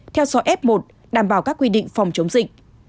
theo dõi f một đảm bảo các quy định phòng chống dịch